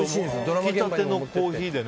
ひきたてのコーヒーでね。